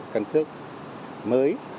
căn cước mới